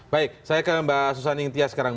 baik saya ke mbak susan ingtya sekarang